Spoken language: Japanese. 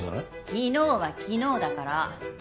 昨日は昨日だから。